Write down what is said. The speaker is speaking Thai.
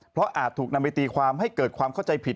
เพราะอาจถูกนำไปตีความให้เกิดความเข้าใจผิด